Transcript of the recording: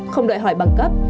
không đòi hỏi bằng cấp